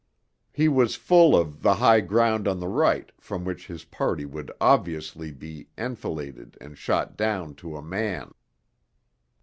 He was full of 'the high ground on the right' from which his party would 'obviously' be enfiladed and shot down to a man.